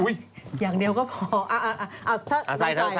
อย่างเดียวก็พอ